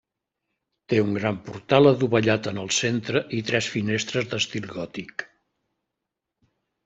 Té un gran portal adovellat en el centre i tres finestres d'estil gòtic.